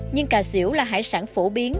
nhưng cà xỉu là hải sản phổ biến